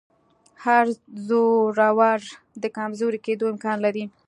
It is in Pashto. هر زورور د کمزوري کېدو امکان لري